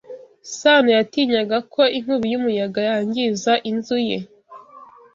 Sanoyatinyaga ko inkubi y'umuyaga yangiza inzu ye.